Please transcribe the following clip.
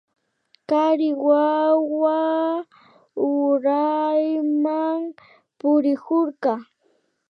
Kari wawa urayman purikurka